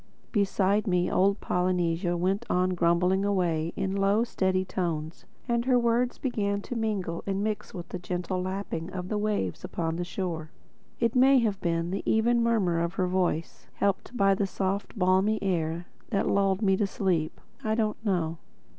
Beside me old Polynesia went on grumbling away in low steady tones; and her words began to mingle and mix with the gentle lapping of the waves upon the shore. It may have been the even murmur of her voice, helped by the soft and balmy air, that lulled me to sleep. I don't know.